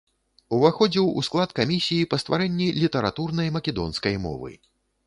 Уваходзіў у склад камісіі па стварэнні літаратурнай македонскай мовы.